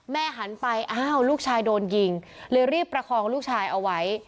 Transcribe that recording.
หันไปอ้าวลูกชายโดนยิงเลยรีบประคองลูกชายเอาไว้